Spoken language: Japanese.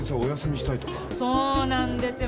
そうなんですよ。